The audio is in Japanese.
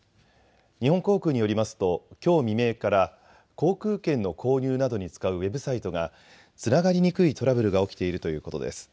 日本航空によりますときょう未明から航空券の購入などに使うウェブサイトがつながりにくいトラブルが起きているということです。